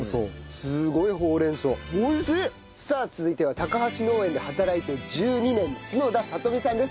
さあ続いては高橋農園で働いて１２年角田里美さんです。